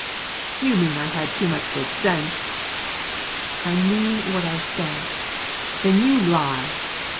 "You mean I had too much good sense." "I mean what I said." "Then you lie!"